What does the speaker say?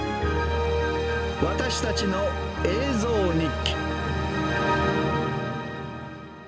私たちの映像日記。